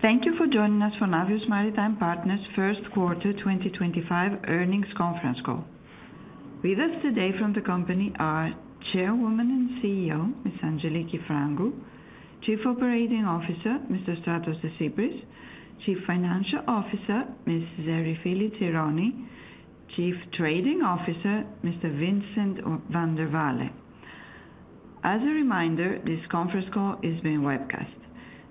Thank you for joining us for Navios Maritime Partners' first quarter 2025 earnings conference call. With us today from the company are Chairwoman and CEO, Ms. Angeliki Frangou, Chief Operating Officer, Mr. Efstratios Desypris, Chief Financial Officer, Ms. Erifili Tsironi, Chief Trading Officer, Mr. Vincent Vandewalle. As a reminder, this conference call is being webcast.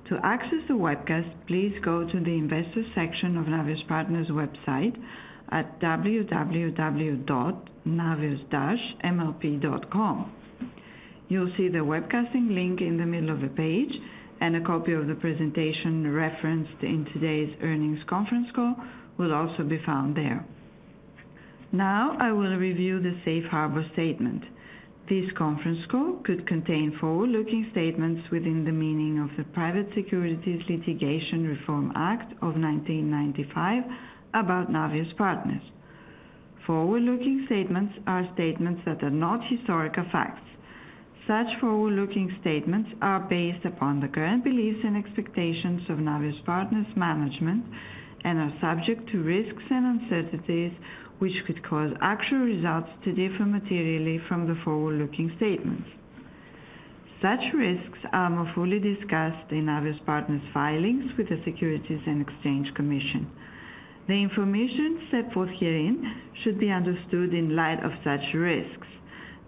To access the webcast, please go to the investor section of Navios Partners' website at www.navios-mlp.com. You'll see the webcasting link in the middle of the page, and a copy of the presentation referenced in today's earnings conference call will also be found there. Now, I will review the safe harbor statement. This conference call could contain forward-looking statements within the meaning of the Private Securities Litigation Reform Act of 1995 about Navios Partners. Forward-looking statements are statements that are not historical facts. Such forward-looking statements are based upon the current beliefs and expectations of Navios Partners' management and are subject to risks and uncertainties which could cause actual results to differ materially from the forward-looking statements. Such risks are more fully discussed in Navios Partners' filings with the Securities and Exchange Commission. The information set forth herein should be understood in light of such risks.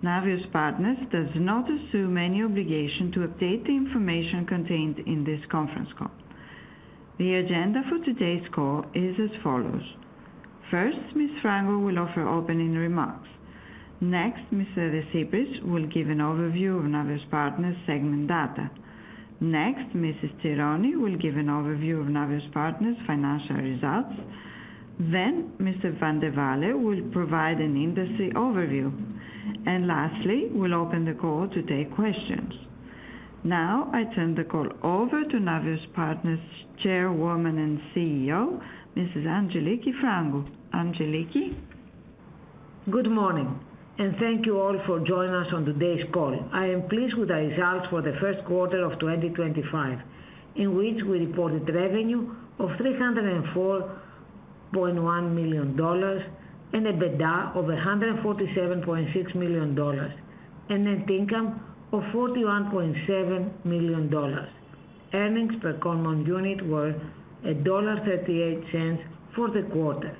Navios Partners does not assume any obligation to update the information contained in this conference call. The agenda for today's call is as follows. First, Ms. Frangou will offer opening remarks. Next, Mr. Desypris will give an overview of Navios Partners' segment data. Next, Ms. Tsironi will give an overview of Navios Partners' financial results. Then Mr. Vandewalle will provide an industry overview. Lastly, we'll open the call to take questions. Now, I turn the call over to Navios Partners Chairwoman and CEO, Ms. Angeliki Frangou. Angeliki. Good morning, and thank you all for joining us on today's call. I am pleased with the results for the first quarter of 2025, in which we reported revenue of $304.1 million and EBITDA of $147.6 million, and net income of $41.7 million. Earnings per common unit were $1.38 for the quarter.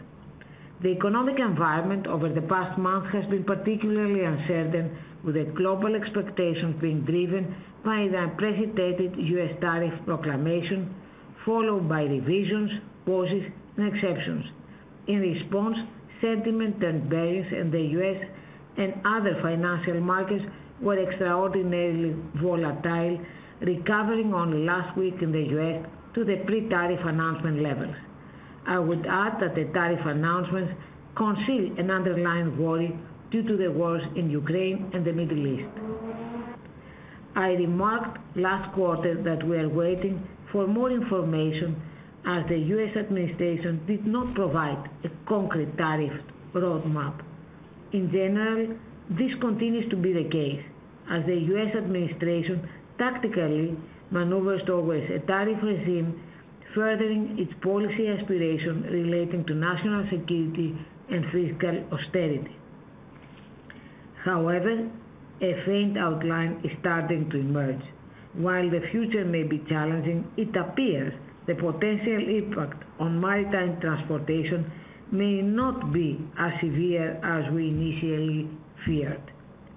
The economic environment over the past month has been particularly uncertain, with global expectations being driven by the unprecedented U.S. tariff proclamation, followed by revisions, pauses, and exceptions. In response, sentiment turned bearish, and the U.S. and other financial markets were extraordinarily volatile, recovering only last week in the U.S. to the pre-tariff announcement levels. I would add that the tariff announcements conceal an underlying worry due to the wars in Ukraine and the Middle East. I remarked last quarter that we are waiting for more information as the U.S. administration did not provide a concrete tariff roadmap. In general, this continues to be the case, as the U.S. administration tactically maneuvers towards a tariff regime, furthering its policy aspiration relating to national security and fiscal austerity. However, a faint outline is starting to emerge. While the future may be challenging, it appears the potential impact on maritime transportation may not be as severe as we initially feared.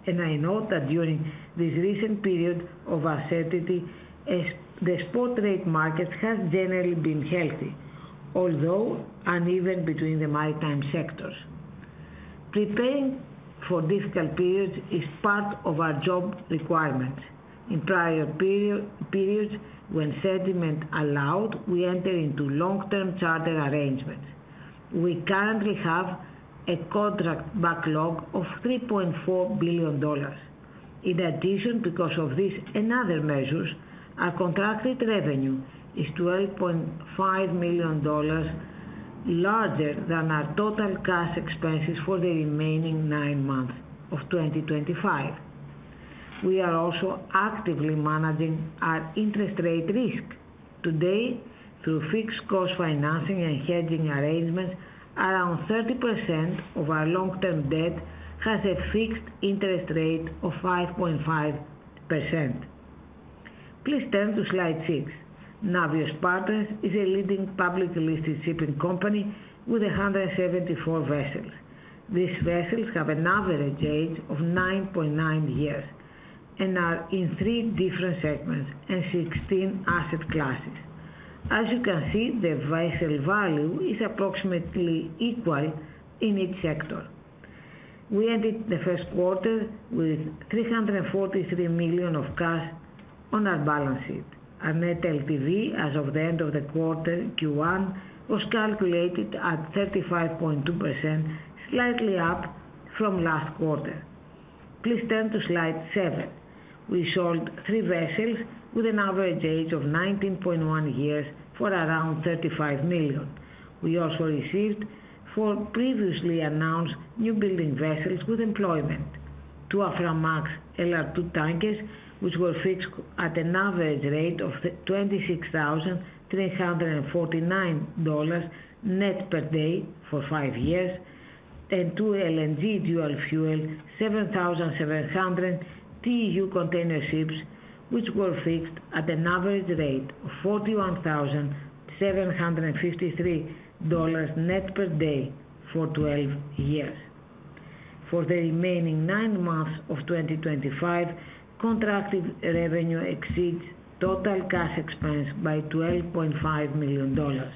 I note that during this recent period of uncertainty, the spot rate market has generally been healthy, although uneven between the maritime sectors. Preparing for difficult periods is part of our job requirements. In prior periods, when sentiment allowed, we entered into long-term charter arrangements. We currently have a contract backlog of $3.4 billion. In addition, because of these and other measures, our contracted revenue is $12.5 million larger than our total cash expenses for the remaining nine months of 2025. We are also actively managing our interest rate risk. Today, through fixed-cost financing and hedging arrangements, around 30% of our long-term debt has a fixed interest rate of 5.5%. Please turn to slide 6. Navios Maritime Partners is a leading publicly listed shipping company with 174 vessels. These vessels have an average age of 9.9 years and are in three different segments and 16 asset classes. As you can see, the vessel value is approximately equal in each sector. We ended the first quarter with $343 million of cash on our balance sheet. Our net LTV, as of the end of the quarter Q1, was calculated at 35.2%, slightly up from last quarter. Please turn to slide 7. We sold three vessels with an average age of 19.1 years for around $35 million. We also received four previously announced new building vessels with employment: two Aframax LR2 tankers, which were fixed at an average rate of $26,349 net per day for five years, and two LNG dual-fuel 7,700 TEU container ships, which were fixed at an average rate of $41,753 net per day for 12 years. For the remaining nine months of 2025, contracted revenue exceeds total cash expense by $12.5 million.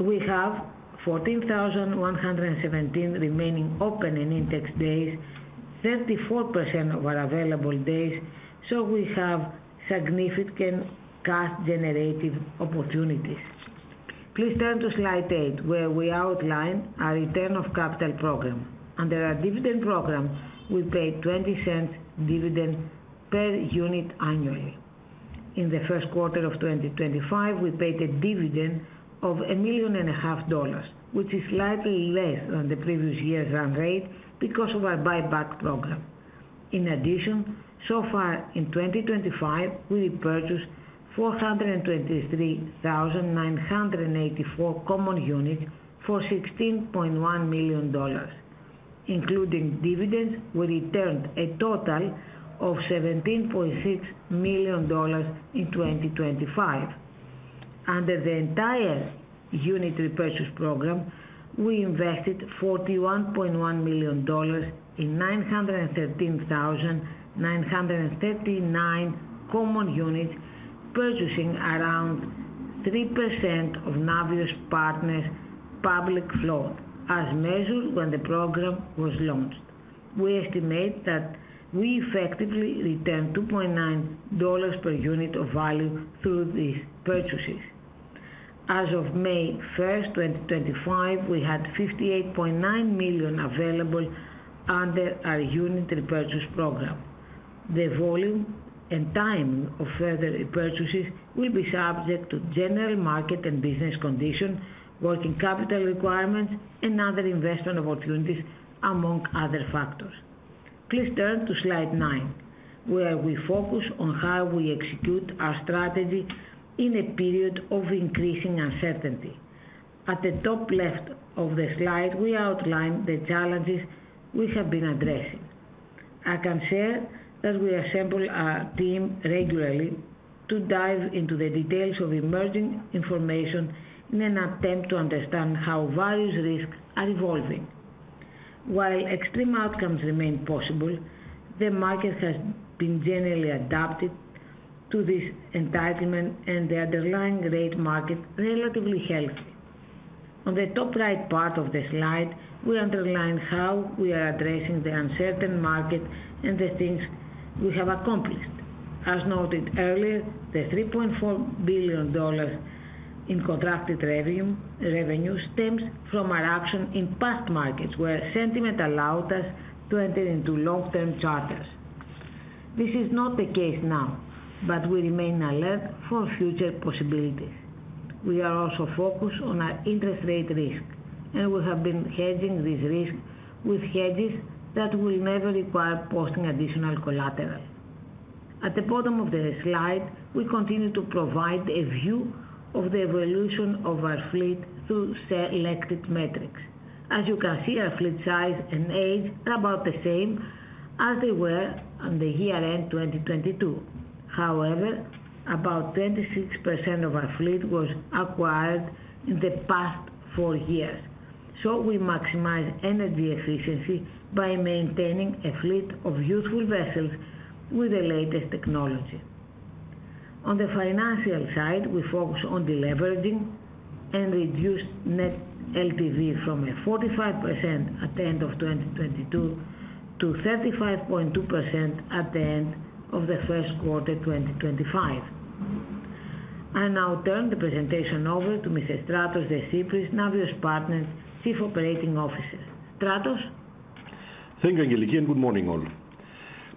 We have 14,117 remaining open and index days, 34% of our available days, so we have significant cash-generated opportunities. Please turn to slide 8, where we outline our return of capital program. Under our dividend program, we paid $0.20 dividend per unit annually. In the first quarter of 2025, we paid a dividend of $1.5 million, which is slightly less than the previous year's run rate because of our buyback program. In addition, so far in 2025, we repurchased 423,984 common units for $16.1 million, including dividends, which returned a total of $17.6 million in 2025. Under the entire unit repurchase program, we invested $41.1 million in 913,939 common units, purchasing around 3% of Navios Maritime Partners' public floor, as measured when the program was launched. We estimate that we effectively returned $2.9 per unit of value through these purchases. As of May 1st, 2025, we had $58.9 million available under our unit repurchase program. The volume and timing of further purchases will be subject to general market and business conditions, working capital requirements, and other investment opportunities, among other factors. Please turn to slide 9, where we focus on how we execute our strategy in a period of increasing uncertainty. At the top left of the slide, we outline the challenges we have been addressing. I can share that we assemble our team regularly to dive into the details of emerging information in an attempt to understand how various risks are evolving. While extreme outcomes remain possible, the market has been generally adapted to this environment, and the underlying rate market is relatively healthy. On the top right part of the slide, we underline how we are addressing the uncertain market and the things we have accomplished. As noted earlier, the $3.4 billion in contracted revenue stems from our action in past markets, where sentiment allowed us to enter into long-term charters. This is not the case now, but we remain alert for future possibilities. We are also focused on our interest rate risk, and we have been hedging this risk with hedges that will never require posting additional collateral. At the bottom of the slide, we continue to provide a view of the evolution of our fleet through selected metrics. As you can see, our fleet size and age are about the same as they were on the year-end 2022. However, about 26% of our fleet was acquired in the past four years, so we maximize energy efficiency by maintaining a fleet of useful vessels with the latest technology. On the financial side, we focus on deleveraging and reduced net LTV from 45% at the end of 2022 to 35.2% at the end of the first quarter 2025. I now turn the presentation over to Mr. Efstratios Desypris, Navios Partners Chief Operating Officer. Efstratios. Thank you, Angeliki, and good morning, all.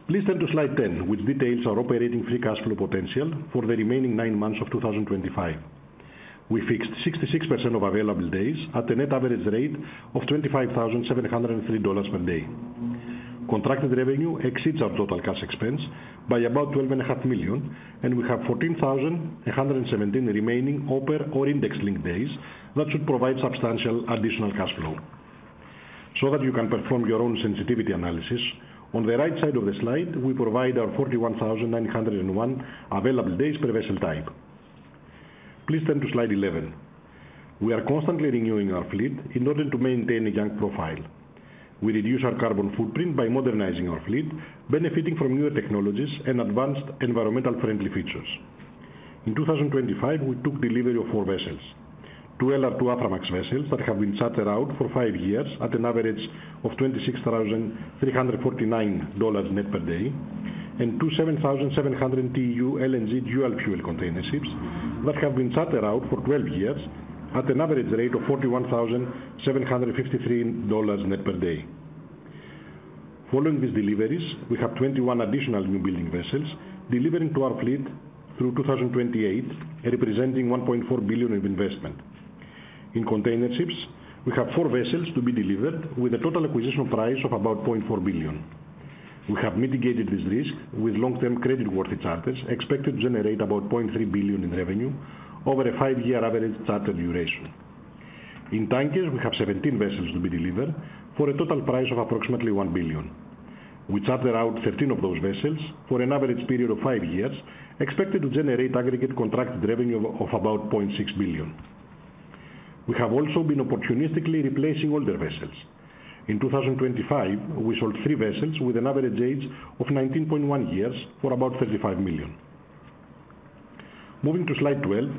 Please turn to slide 10, which details our operating free cash flow potential for the remaining nine months of 2025. We fixed 66% of available days at a net average rate of $25,703 per day. Contracted revenue exceeds our total cash expense by about $12.5 million, and we have 14,117 remaining oper or index link days that should provide substantial additional cash flow. So that you can perform your own sensitivity analysis, on the right side of the slide, we provide our 41,901 available days per vessel type. Please turn to slide 11. We are constantly renewing our fleet in order to maintain a young profile. We reduce our carbon footprint by modernizing our fleet, benefiting from newer technologies and advanced environmental-friendly features. In 2025, we took delivery of four vessels: two LR2 Aframax vessels that have been chartered out for five years at an average of $26,349 net per day, and two 7,700 TEU LNG dual-fuel container ships that have been chartered out for 12 years at an average rate of $41,753 net per day. Following these deliveries, we have 21 additional new building vessels delivering to our fleet through 2028, representing $1.4 billion of investment. In container ships, we have four vessels to be delivered with a total acquisition price of about $0.4 billion. We have mitigated this risk with long-term credit-worthy charters expected to generate about $0.3 billion in revenue over a five-year average charter duration. In tankers, we have 17 vessels to be delivered for a total price of approximately $1 billion. We chartered out 13 of those vessels for an average period of five years expected to generate aggregate contracted revenue of about $0.6 billion. We have also been opportunistically replacing older vessels. In 2025, we sold three vessels with an average age of 19.1 years for about $35 million. Moving to slide 12,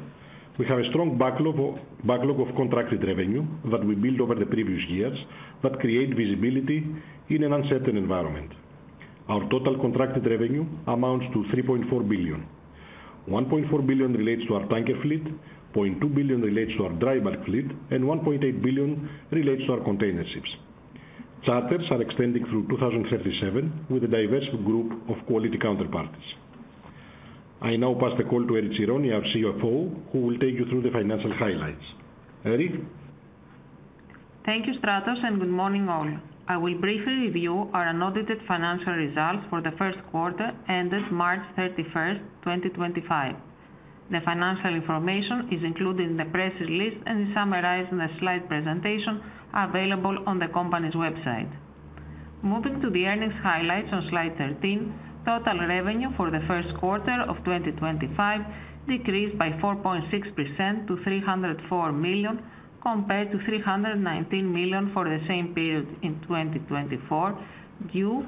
we have a strong backlog of contracted revenue that we built over the previous years that creates visibility in an uncertain environment. Our total contracted revenue amounts to $3.4 billion. $1.4 billion relates to our tanker fleet, $0.2 billion relates to our dry bulk fleet, and $1.8 billion relates to our container ships. Charters are extending through 2037 with a diverse group of quality counterparties. I now pass the call to Erifili Tsironi, our CFO, who will take you through the financial highlights. Erifili? Thank you, Efstratios, and good morning, all. I will briefly review our annotated financial results for the first quarter ended March 31st, 2025. The financial information is included in the press release and is summarized in the slide presentation available on the company's website. Moving to the earnings highlights on slide 13, total revenue for the first quarter of 2025 decreased by 4.6% to $304 million compared to $319 million for the same period in 2024 due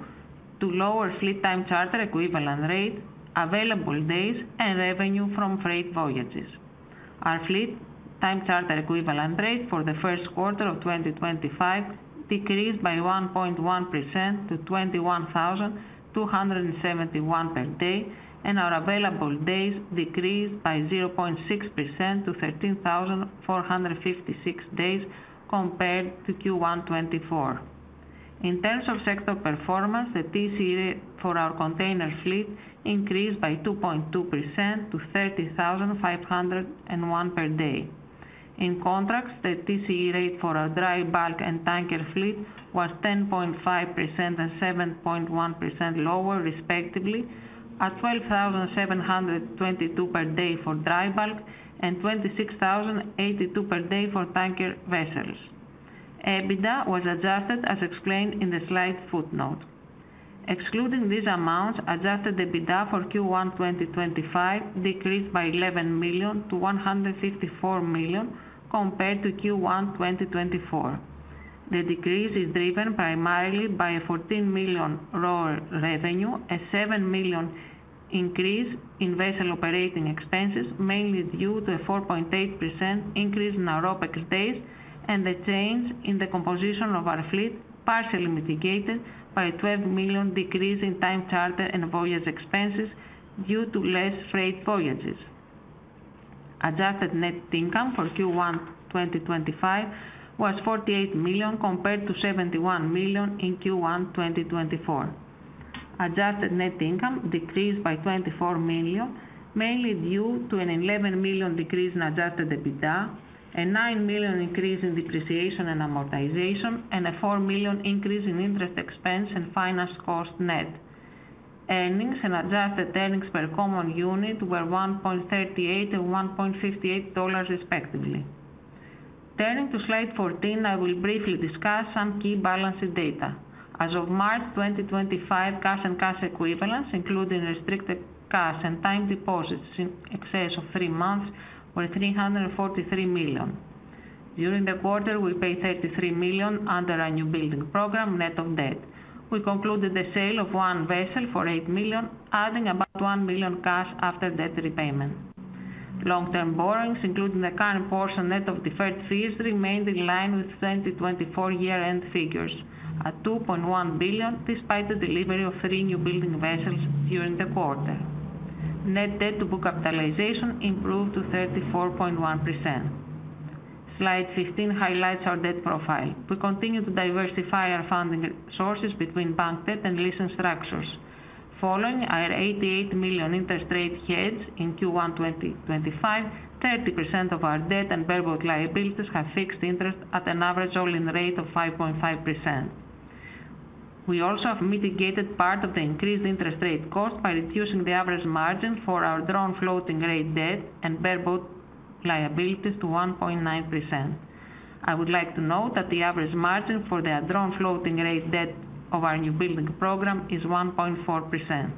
to lower fleet time charter equivalent rate, available days, and revenue from freight voyages. Our fleet time charter equivalent rate for the first quarter of 2025 decreased by 1.1% to $21,271 per day, and our available days decreased by 0.6% to 13,456 days compared to Q1 2024. In terms of sector performance, the TCE rate for our container fleet increased by 2.2% to $30,501 per day. In contracts, the TCE rate for our dry bulk and tanker fleet was 10.5% and 7.1% lower, respectively, at $12,722 per day for dry bulk and $26,082 per day for tanker vessels. EBITDA was adjusted, as explained in the slide footnote. Excluding these amounts, adjusted EBITDA for Q1 2025 decreased by $11 million to $154 million compared to Q1 2024. The decrease is driven primarily by a $14 million raw revenue, a $7 million increase in vessel operating expenses, mainly due to a 4.8% increase in our OpEx days, and the change in the composition of our fleet partially mitigated by a $12 million decrease in time charter and voyage expenses due to less freight voyages. Adjusted net income for Q1 2025 was $48 million compared to $71 million in Q1 2024. Adjusted net income decreased by $24 million, mainly due to an $11 million decrease in adjusted EBITDA, a $9 million increase in depreciation and amortization, and a $4 million increase in interest expense and finance cost net. Earnings and adjusted earnings per common unit were $1.38 and $1.58, respectively. Turning to slide 14, I will briefly discuss some key balance sheet data. As of March 2025, cash and cash equivalents, including restricted cash and time deposits in excess of three months, were $343 million. During the quarter, we paid $33 million under our new building program, net of debt. We concluded the sale of one vessel for $8 million, adding about $1 million cash after debt repayment. Long-term borrowings, including the current portion net of deferred fees, remained in line with 2024 year-end figures, at $2.1 billion, despite the delivery of three new building vessels during the quarter. Net debt-to-book capitalization improved to 34.1%. Slide 15 highlights our debt profile. We continue to diversify our funding sources between bank debt and leasing structures. Following our $88 million interest rate hedge in Q1 2025, 30% of our debt and variable liabilities have fixed interest at an average all-in rate of 5.5%. We also have mitigated part of the increased interest rate cost by reducing the average margin for our drawn floating rate debt and variable liabilities to 1.9%. I would like to note that the average margin for the drawn floating rate debt of our new building program is 1.4%.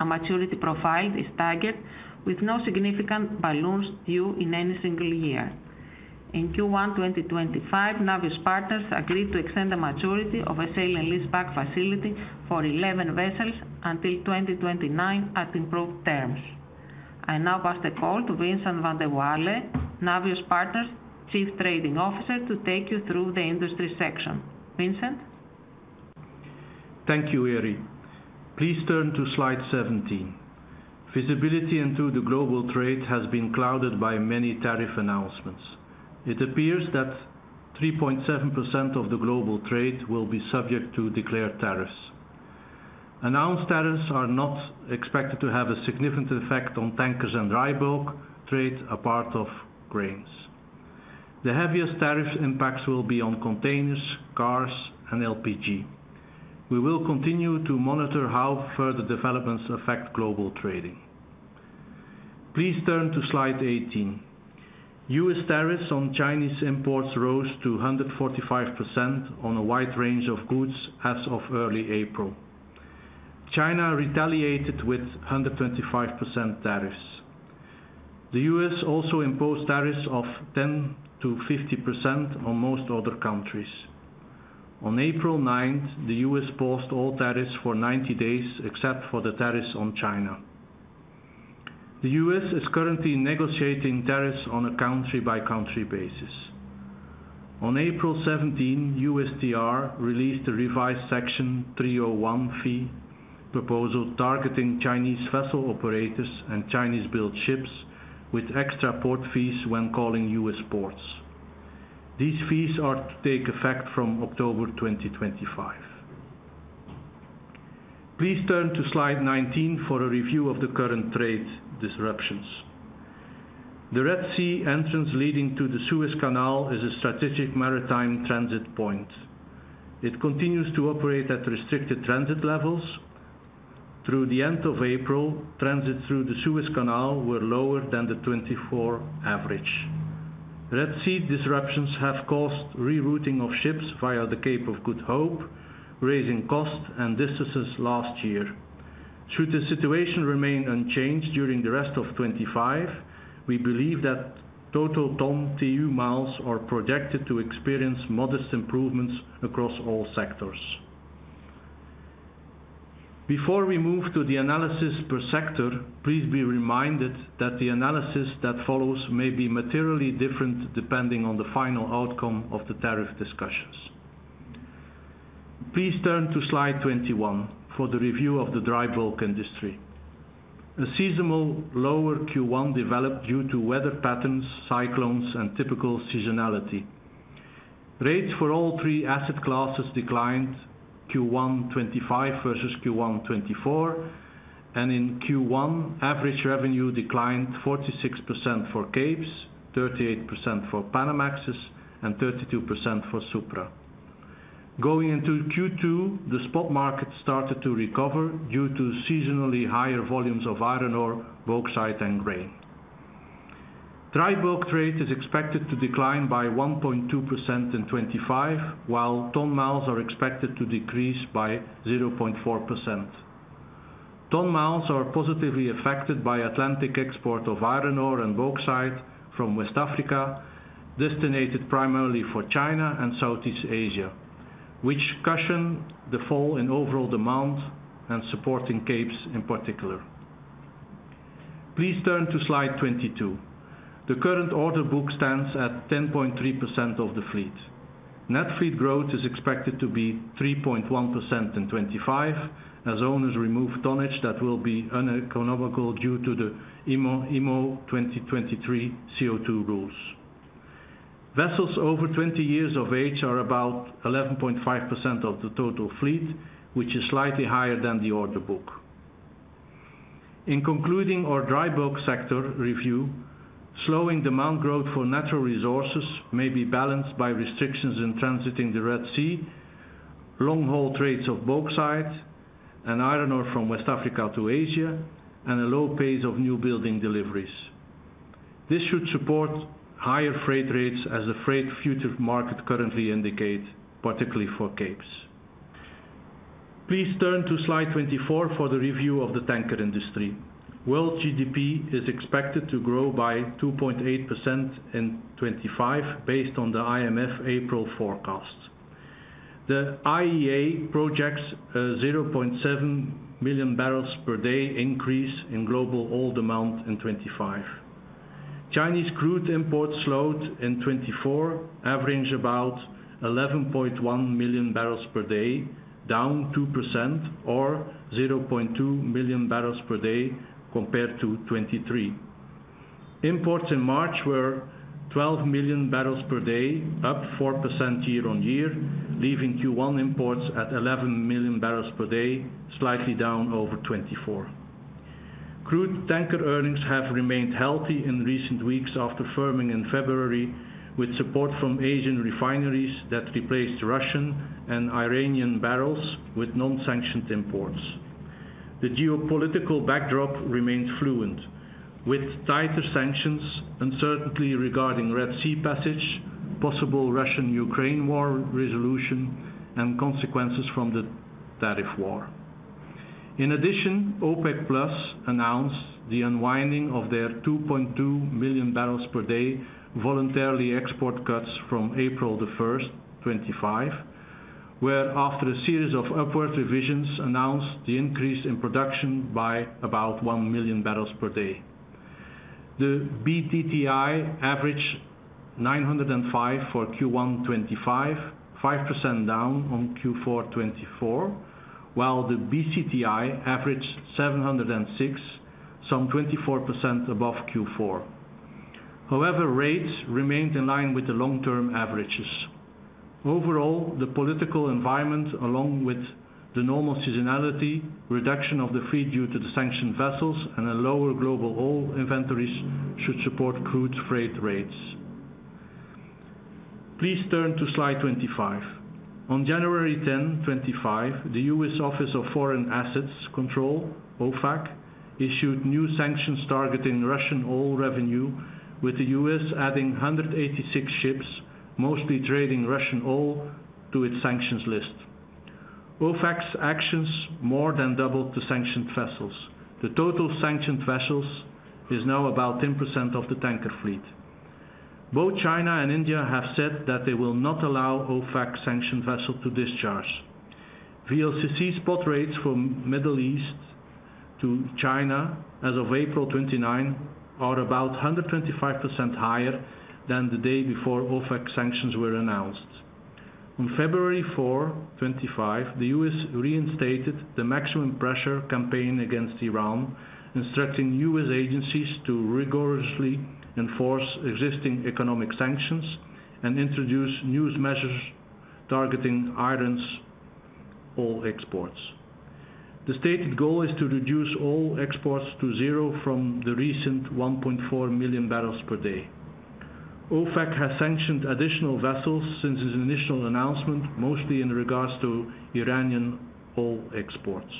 Our maturity profile is staggered, with no significant balloons due in any single year. In Q1 2025, Navios Partners agreed to extend the maturity of a sale and lease-back facility for 11 vessels until 2029 at improved terms. I now pass the call to Vincent Vandewalle, Navios Partners Chief Trading Officer, to take you through the industry section. Vincent? Thank you, Eri. Please turn to slide 17. Visibility into the global trade has been clouded by many tariff announcements. It appears that 3.7% of the global trade will be subject to declared tariffs. Announced tariffs are not expected to have a significant effect on tankers and dry bulk trade, a part of grains. The heaviest tariff impacts will be on containers, cars, and LPG. We will continue to monitor how further developments affect global trading. Please turn to slide 18. U.S. tariffs on Chinese imports rose to 145% on a wide range of goods as of early April. China retaliated with 125% tariffs. The U.S. also imposed tariffs of 10%-50% on most other countries. On April 9th, the U.S. paused all tariffs for 90 days except for the tariffs on China. The U.S. is currently negotiating tariffs on a country-by-country basis. On April 17, USTR released a revised Section 301(c) proposal targeting Chinese vessel operators and Chinese-built ships with extra port fees when calling U.S. ports. These fees are to take effect from October 2025. Please turn to slide 19 for a review of the current trade disruptions. The Red Sea entrance leading to the Suez Canal is a strategic maritime transit point. It continues to operate at restricted transit levels. Through the end of April, transit through the Suez Canal was lower than the 2024 average. Red Sea disruptions have caused rerouting of ships via the Cape of Good Hope, raising costs and distances last year. Should the situation remain unchanged during the rest of 2025, we believe that total ton TEU miles are projected to experience modest improvements across all sectors. Before we move to the analysis per sector, please be reminded that the analysis that follows may be materially different depending on the final outcome of the tariff discussions. Please turn to slide 21 for the review of the dry bulk industry. A seasonal lower Q1 developed due to weather patterns, cyclones, and typical seasonality. Rates for all three asset classes declined Q1 2025 versus Q1 2024, and in Q1, average revenue declined 46% for Capes, 38% for Panamaxes, and 32% for Supra. Going into Q2, the spot market started to recover due to seasonally higher volumes of iron ore, bauxite, and grain. Dry bulk trade is expected to decline by 1.2% in 2025, while ton miles are expected to decrease by 0.4%. Ton-miles are positively affected by Atlantic export of iron ore and bauxite from West Africa, destinated primarily for China and Southeast Asia, which cushions the fall in overall demand and supporting Capes in particular. Please turn to slide 22. The current order book stands at 10.3% of the fleet. Net fleet growth is expected to be 3.1% in 2025 as owners remove tonnage that will be uneconomical due to the IMO 2023 CO2 rules. Vessels over 20 years of age are about 11.5% of the total fleet, which is slightly higher than the order book. In concluding our dry bulk sector review, slowing demand growth for natural resources may be balanced by restrictions in transiting the Red Sea, long-haul trades of bauxite and iron ore from West Africa to Asia, and a low pace of new building deliveries. This should support higher freight rates as the freight future market currently indicates, particularly for Capes. Please turn to slide 24 for the review of the tanker industry. World GDP is expected to grow by 2.8% in 2025 based on the IMF April forecast. The IEA projects a $0.7 million barrels per day increase in global oil demand in 2025. Chinese crude imports slowed in 2024, averaging about 11.1 million barrels per day, down 2% or 0.2 million barrels per day compared to 2023. Imports in March were 12 million barrels per day, up 4% year-on-year, leaving Q1 imports at 11 million barrels per day, slightly down over 2024. Crude tanker earnings have remained healthy in recent weeks after firming in February with support from Asian refineries that replaced Russian and Iranian barrels with non-sanctioned imports. The geopolitical backdrop remains fluid, with tighter sanctions, uncertainty regarding Red Sea passage, possible Russian-Ukraine war resolution, and consequences from the tariff war. In addition, OPEC Plus announced the unwinding of their 2.2 million barrels per day voluntary export cuts from April 1st, 2025, where, after a series of upward revisions, announced the increase in production by about 1 million barrels per day. The BTTI averaged $905 for Q1 2025, 5% down on Q4 2024, while the BCTI averaged $706, some 24% above Q4. However, rates remained in line with the long-term averages. Overall, the political environment, along with the normal seasonality, reduction of the fee due to the sanctioned vessels, and a lower global oil inventories should support crude freight rates. Please turn to slide 25. On January 10, 2025, the U.S. Office of Foreign Assets Control, OFAC, issued new sanctions targeting Russian oil revenue, with the U.S. adding 186 ships, mostly trading Russian oil, to its sanctions list. OFAC's actions more than doubled the sanctioned vessels. The total sanctioned vessels is now about 10% of the tanker fleet. Both China and India have said that they will not allow OFAC-sanctioned vessels to discharge. VLCC spot rates from the Middle East to China as of April 29 are about 125% higher than the day before OFAC sanctions were announced. On February 4, 2025, the U.S. reinstated the maximum pressure campaign against Iran, instructing U.S. agencies to rigorously enforce existing economic sanctions and introduce new measures targeting iron ore exports. The stated goal is to reduce all exports to zero from the recent $1.4 million barrels per day. OFAC has sanctioned additional vessels since its initial announcement, mostly in regards to Iranian oil exports.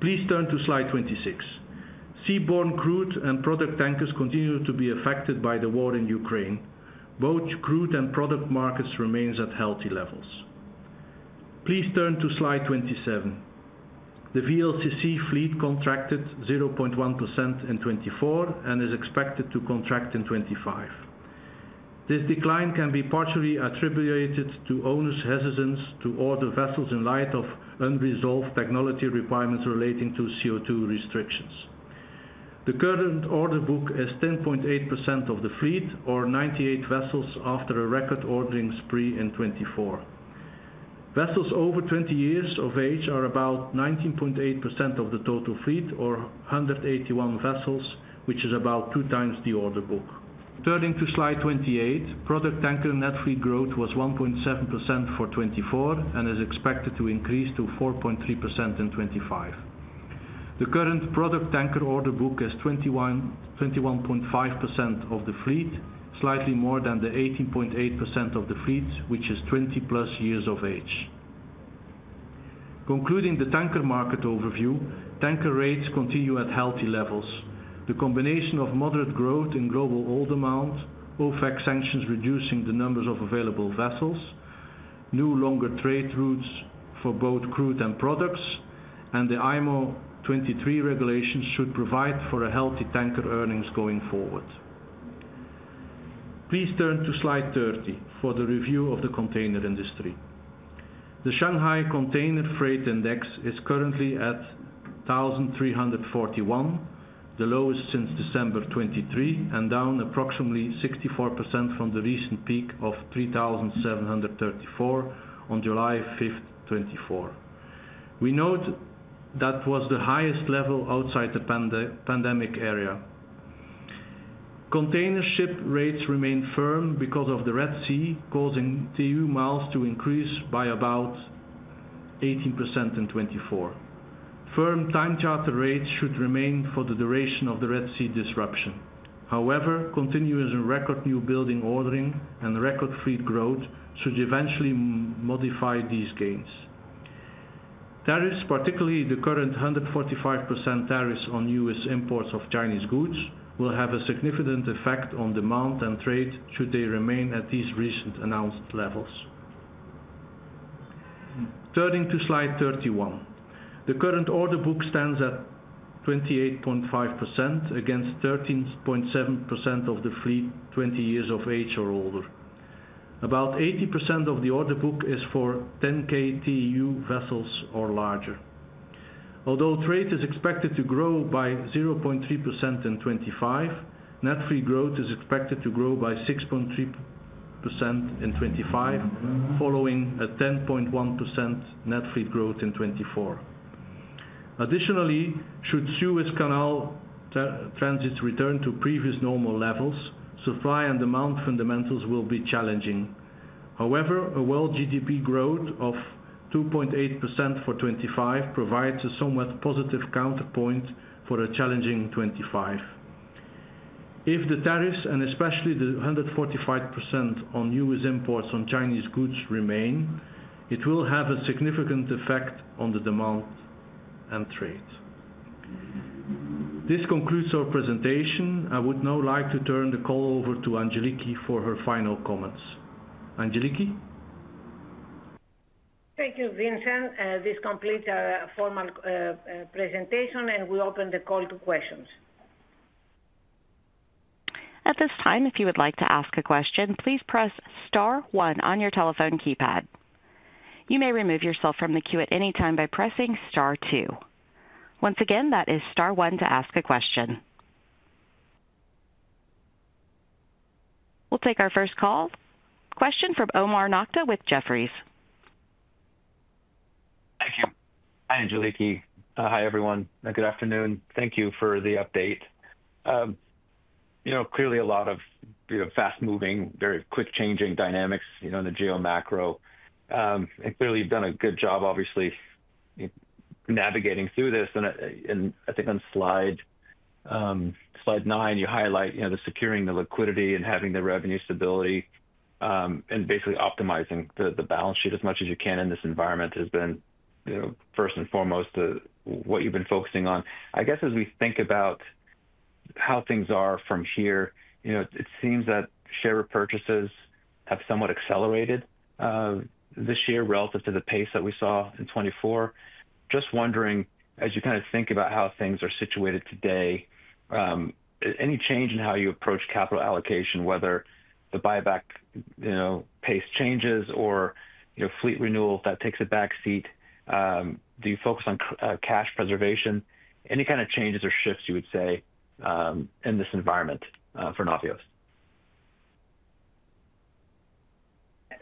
Please turn to slide 26. Seaborne crude and product tankers continue to be affected by the war in Ukraine. Both crude and product markets remain at healthy levels. Please turn to slide 27. The VLCC fleet contracted 0.1% in 2024 and is expected to contract in 2025. This decline can be partially attributed to owners' hesitance to order vessels in light of unresolved technology requirements relating to CO2 restrictions. The current order book is 10.8% of the fleet, or 98 vessels after a record ordering spree in 2024. Vessels over 20 years of age are about 19.8% of the total fleet, or 181 vessels, which is about two times the order book. Turning to slide 28, product tanker net fleet growth was 1.7% for 2024 and is expected to increase to 4.3% in 2025. The current product tanker order book is 21.5% of the fleet, slightly more than the 18.8% of the fleet, which is 20+ years of age. Concluding the tanker market overview, tanker rates continue at healthy levels. The combination of moderate growth in global oil demand, OFAC sanctions reducing the numbers of available vessels, new longer trade routes for both crude and products, and the IMO 2023 regulations should provide for healthy tanker earnings going forward. Please turn to slide 30 for the review of the container industry. The Shanghai Container Freight Index is currently at 1,341, the lowest since December 2023, and down approximately 64% from the recent peak of 3,734 on July 5th, 2024. We note that was the highest level outside the pandemic area. Container ship rates remain firm because of the Red Sea, causing TEU miles to increase by about 18% in 2024. Firm time charter rates should remain for the duration of the Red Sea disruption. However, continuing record new building ordering and record fleet growth should eventually modify these gains. Tariffs, particularly the current 145% tariffs on U.S. imports of Chinese goods, will have a significant effect on demand and trade should they remain at these recent announced levels. Turning to slide 31. The current order book stands at 28.5% against 13.7% of the fleet 20 years of age or older. About 80% of the order book is for 10-K TEU vessels or larger. Although trade is expected to grow by 0.3% in 2025, net fleet growth is expected to grow by 6.3% in 2025, following a 10.1% net fleet growth in 2024. Additionally, should Suez Canal transits return to previous normal levels, supply and demand fundamentals will be challenging. However, a world GDP growth of 2.8% for 2025 provides a somewhat positive counterpoint for a challenging 2025. If the tariffs, and especially the 145% on U.S. imports on Chinese goods, remain, it will have a significant effect on the demand and trade. This concludes our presentation. I would now like to turn the call over to Angeliki for her final comments. Angeliki? Thank you, Vincent. This completes our formal presentation, and we open the call to questions. At this time, if you would like to ask a question, please press star one on your telephone keypad. You may remove yourself from the queue at any time by pressing star two. Once again, that is star one to ask a question. We'll take our first call. Question from Omar Nokta with Jefferies. Thank you. Hi, Angeliki. Hi, everyone. Good afternoon. Thank you for the update. Clearly, a lot of fast-moving, very quick-changing dynamics in the geomacro. Clearly, you've done a good job, obviously, navigating through this. I think on slide 9, you highlight securing the liquidity and having the revenue stability and basically optimizing the balance sheet as much as you can in this environment has been first and foremost what you've been focusing on. I guess as we think about how things are from here, it seems that share purchases have somewhat accelerated this year relative to the pace that we saw in 2024. Just wondering, as you kind of think about how things are situated today, any change in how you approach capital allocation, whether the buyback pace changes or fleet renewal that takes a backseat? Do you focus on cash preservation? Any kind of changes or shifts you would say in this environment for Navios?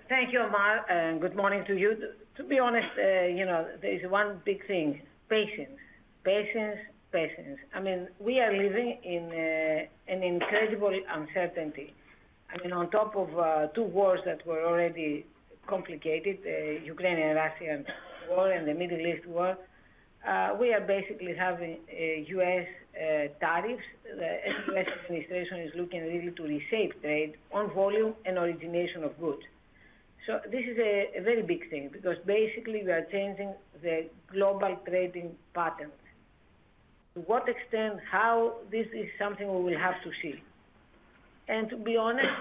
Thank you, Omar, and good morning to you. To be honest, there is one big thing: patience, patience, patience. I mean, we are living in an incredible uncertainty. I mean, on top of two wars that were already complicated, the Ukraine and Russia war and the Middle East war, we are basically having U.S. tariffs. The U.S. administration is looking really to reshape trade on volume and origination of goods. This is a very big thing because basically we are changing the global trading patterns. To what extent, how, this is something we will have to see. To be honest,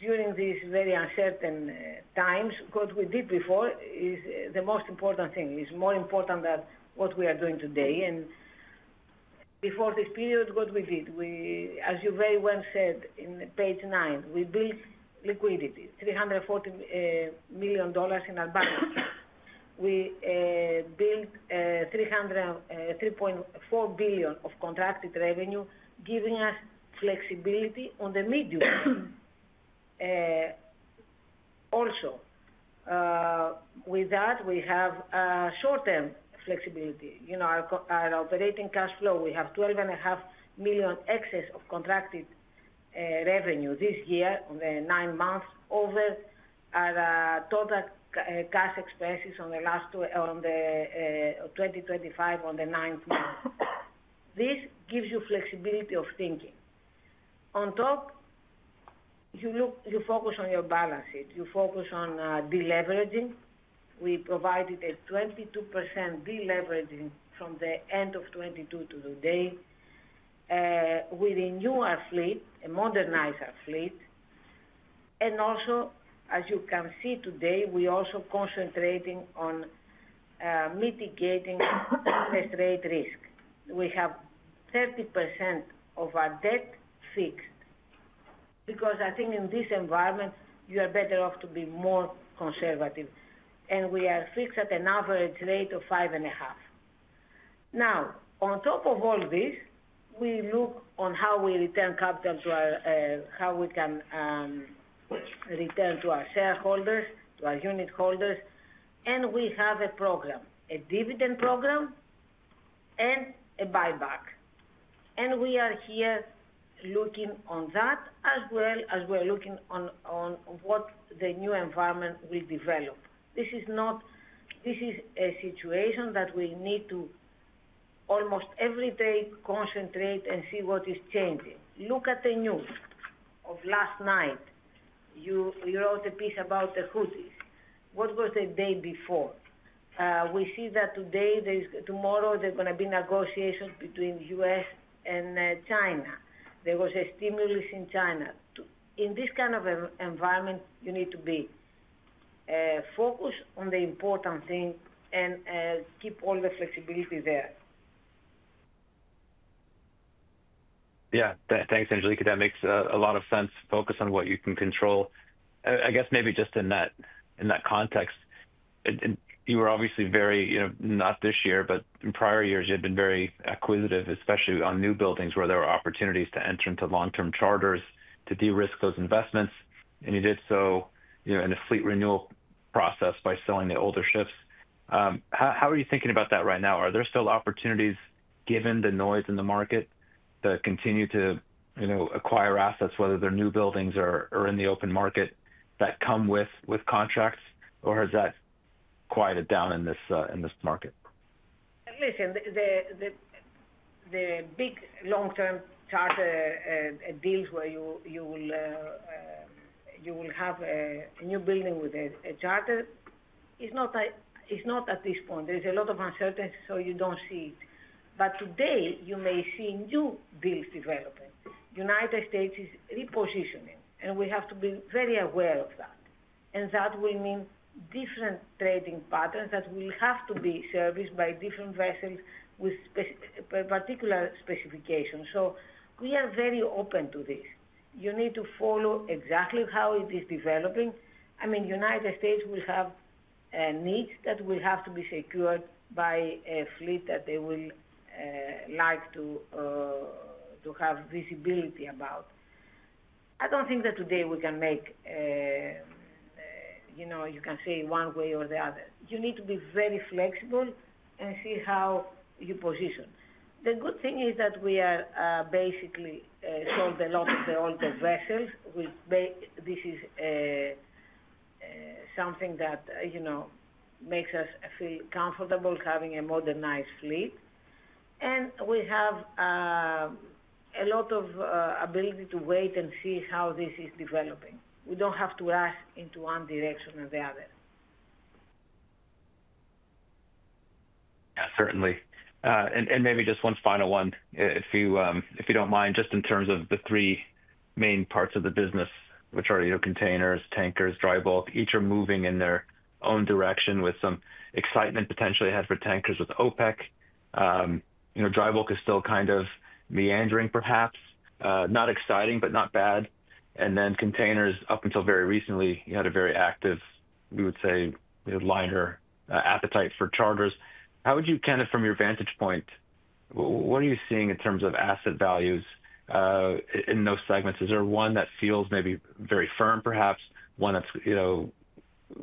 during these very uncertain times, what we did before is the most important thing. It's more important than what we are doing today. Before this period, what we did, as you very well said in page 9, we built liquidity, $340 million in advance. We built $3.4 billion of contracted revenue, giving us flexibility on the medium-term. Also, with that, we have short-term flexibility. Our operating cash flow, we have $12.5 million excess of contracted revenue this year on the nine months over our total cash expenses on the last two on the 2025, on the ninth month. This gives you flexibility of thinking. On top, you focus on your balance sheet. You focus on deleveraging. We provided a 22% deleveraging from the end of 2022 to today with a newer fleet, a modernized fleet. Also, as you can see today, we are also concentrating on mitigating interest rate risk. We have 30% of our debt fixed because I think in this environment, you are better off to be more conservative. We are fixed at an average rate of 5.5%. Now, on top of all this, we look on how we return capital to our, how we can return to our shareholders, to our unit holders. We have a program, a dividend program, and a buyback. We are here looking on that as well as we're looking on what the new environment will develop. This is not, this is a situation that we need to almost every day concentrate and see what is changing. Look at the news of last night. You wrote a piece about the Houthis. What was the day before? We see that today, tomorrow, there's going to be negotiations between the U.S. and China. There was a stimulus in China. In this kind of environment, you need to be focused on the important thing and keep all the flexibility there. Yeah. Thanks, Angeliki. That makes a lot of sense. Focus on what you can control. I guess maybe just in that context, you were obviously very, not this year, but in prior years, you had been very acquisitive, especially on new buildings where there were opportunities to enter into long-term charters to de-risk those investments. And you did so in a fleet renewal process by selling the older ships. How are you thinking about that right now? Are there still opportunities, given the noise in the market, to continue to acquire assets, whether they're new buildings or in the open market, that come with contracts? Or has that quieted down in this market? Listen, the big long-term charter deals where you will have a new building with a charter is not at this point. There is a lot of uncertainty, so you do not see it. But today, you may see new deals developing. The United States is repositioning, and we have to be very aware of that. That will mean different trading patterns that will have to be serviced by different vessels with particular specifications. We are very open to this. You need to follow exactly how it is developing. I mean, the United States will have needs that will have to be secured by a fleet that they would like to have visibility about. I do not think that today we can say one way or the other. You need to be very flexible and see how you position. The good thing is that we have basically sold a lot of the older vessels. This is something that makes us feel comfortable having a modernized fleet. We have a lot of ability to wait and see how this is developing. We don't have to rush into one direction or the other. Yeah, certainly. Maybe just one final one, if you don't mind, just in terms of the three main parts of the business, which are containers, tankers, dry bulk. Each are moving in their own direction with some excitement potentially ahead for tankers with OPEC. Dry bulk is still kind of meandering, perhaps. Not exciting, but not bad. Then containers, up until very recently, you had a very active, we would say, lighter appetite for charters. How would you kind of, from your vantage point, what are you seeing in terms of asset values in those segments? Is there one that feels maybe very firm, perhaps, one that's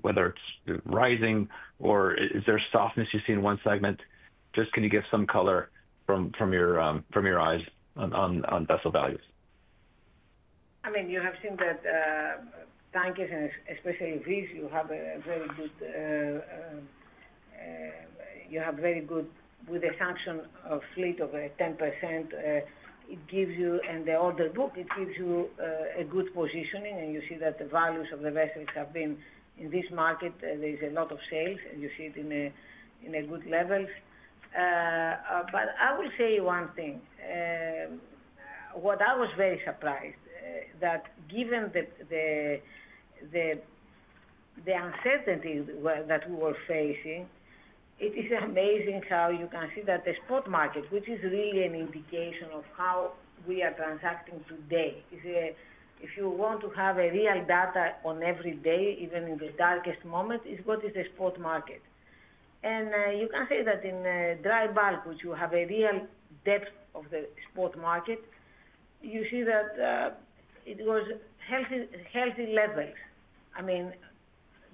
whether it's rising, or is there softness you see in one segment? Just can you give some color from your eyes on vessel values? I mean, you have seen that tankers, and especially these, you have a very good, you have very good with the sanctioned fleet of 10%. In the order book, it gives you a good positioning, and you see that the values of the vessels have been, in this market, there is a lot of sales, and you see it in a good level. I will say one thing. What I was very surprised that given the uncertainty that we were facing, it is amazing how you can see that the spot market, which is really an indication of how we are transacting today. If you want to have real data on every day, even in the darkest moments, it is what is the spot market. You can say that in dry bulk, which you have a real depth of the spot market, you see that it was healthy levels. I mean,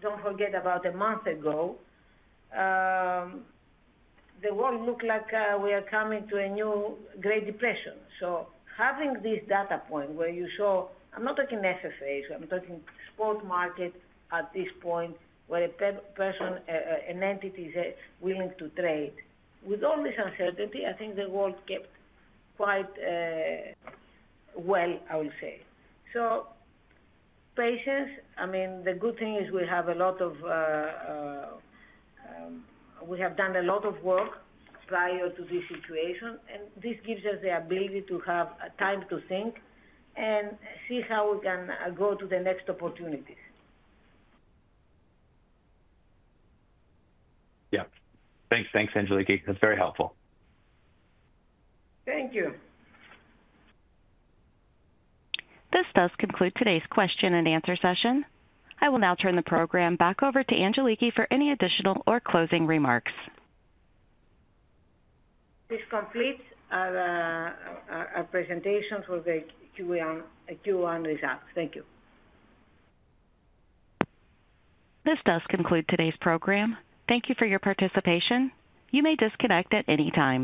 do not forget about a month ago, the world looked like we are coming to a new Great Depression. Having this data point where you saw, I am not talking SFAs, I am talking spot market at this point where a person, an entity is willing to trade. With all this uncertainty, I think the world kept quite well, I will say. Patience, I mean, the good thing is we have done a lot of work prior to this situation, and this gives us the ability to have time to think and see how we can go to the next opportunities. Yeah. Thanks, Angeliki. That is very helpful. Thank you. This does conclude today's question and answer session. I will now turn the program back over to Angeliki for any additional or closing remarks. This completes our presentation for the Q&A results. Thank you. This does conclude today's program. Thank you for your participation. You may disconnect at any time.